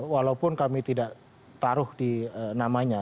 walaupun kami tidak taruh di namanya